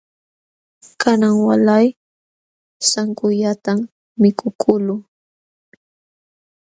Kanan waalay sankullatam mikukuqluu.